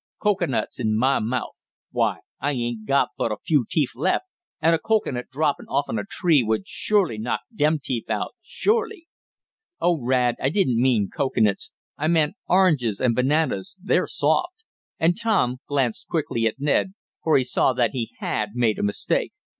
Cocoanuts in mah mouf! Why I ain't got but a few teef left, an' a cocoanut droppin' offen a tree would shorely knock dem teef out, shorely!" "Oh, Rad, I didn't mean cocoanuts! I meant oranges and bananas they're soft," and Tom glanced quickly at Ned, for he saw that he had made a mistake.